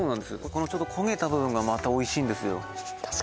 このちょうど焦げた部分がまたおいしいんですよ